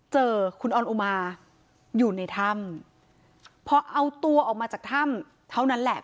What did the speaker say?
เจอคุณออนอุมาอยู่ในถ้ำพอเอาตัวออกมาจากถ้ำเท่านั้นแหละ